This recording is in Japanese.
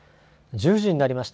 １０時になりました。